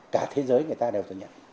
cả thế giới người ta đều thừa nhận